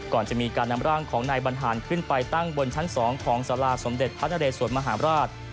ก่อนจะมีการนำร่างของนายบรรหารขึ้นไปตั้งบนชั้น๒ของสาราสมเด็จพระนเรสวนมหาราช